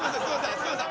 すいません